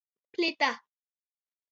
Plita.